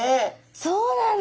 そうなんだ。